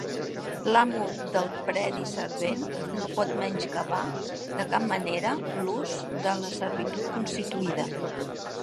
L'amo del predi servent no pot menyscabar de cap manera l'ús de la servitud constituïda.